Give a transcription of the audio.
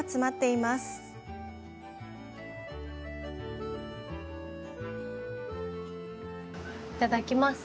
いただきます。